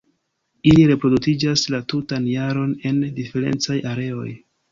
Ili reproduktiĝas la tutan jaron en diferencaj areoj.